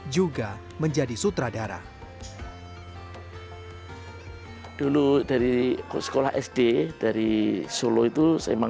juga menjadi sutradara